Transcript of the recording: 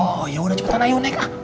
oh yaudah cepetan ayo naik